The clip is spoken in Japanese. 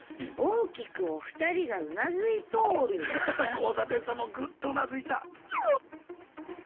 交差点さんもぐっとうなずいた。